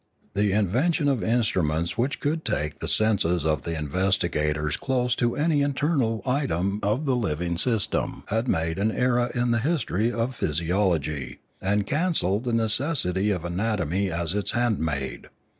The in vention of instruments which could take the senses of the investigators close to any internal item of the living system had made an era in the history of physiology, and cancelled the necessity of anatomy as its handmaid.